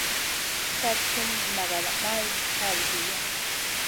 Cad sum nagada maya halgiy.